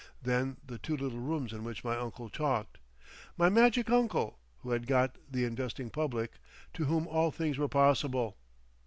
Then the two little rooms in which my uncle talked; my magic uncle who had got the investing public—to whom all things were possible.